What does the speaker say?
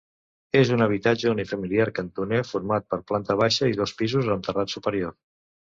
És un habitatge unifamiliar cantoner, format per planta baixa i dos pisos, amb terrat superior.